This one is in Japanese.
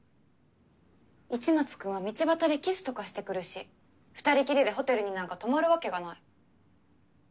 市松君は道端でキスとかしてくるし二人きりでホテルになんか泊まるわけがない。